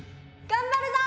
頑張るぞ！